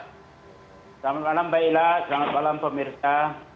selamat malam mbak ila selamat malam pemirsa